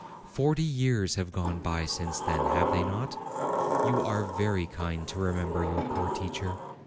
Forty years have gone by since then, have they not? You are very kind to remember your poor teacher.